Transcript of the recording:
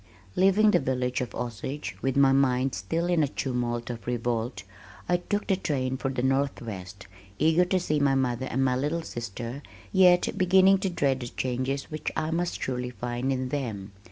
Leaving the village of Osage, with my mind still in a tumult of revolt, I took the train for the Northwest, eager to see my mother and my little sister, yet beginning to dread the changes which I must surely find in them.